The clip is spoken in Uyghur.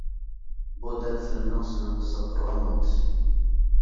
بۇ دەل فىلىمنىڭ سىزنى قىزىقتۇرغان نۇقتىسى.